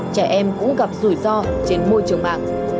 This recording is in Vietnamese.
trẻ em cũng gặp rủi ro trên môi trường mạng